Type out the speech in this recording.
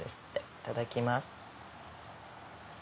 いただきます。